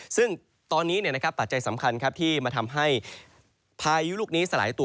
ซึ่งตอนนี้ปัจจัยสำคัญที่มาทำให้พายุลูกนี้สลายตัว